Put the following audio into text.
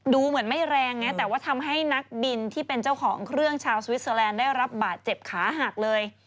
ดูเหมือนไม่แรงนะแต่ว่าทำให้นักบินที่เป็นเจ้าของเครื่องชาวสวิสเตอร์แลนด์ได้รับบาดเจ็บขาหักเลย